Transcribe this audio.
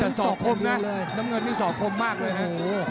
เจอทรงสทาง๒น้ำเงินให้ทาง๒มันโขมมากเลยนะครับ